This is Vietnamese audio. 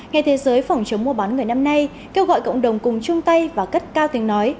ngày thế giới phòng chống mua bán người năm nay kêu gọi cộng đồng cùng chung tay và cất cao tiếng nói